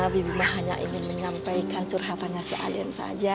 bibi mah hanya ingin menyampaikan curhatannya si aden